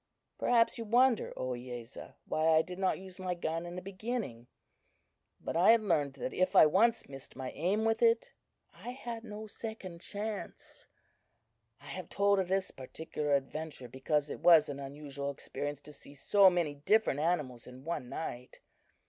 "Perhaps you wonder, Ohiyesa, why I did not use my gun in the beginning; but I had learned that if I once missed my aim with it, I had no second chance. I have told of this particular adventure, because it was an unusual experience to see so many different animals in one night.